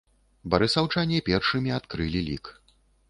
Барысаўчане першымі адкрылі лік.